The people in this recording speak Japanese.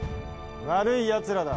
悪いやつらだ。